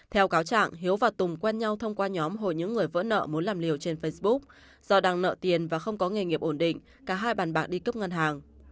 theo cáo trạng hiếu và tùng quen nhau thông qua nhóm hồi những người vỡ nợ muốn làm liều trên facebook do đang nợ tiền và không có nghề nghiệp ổn định cả hai bàn bạc đi cướp ngân hàng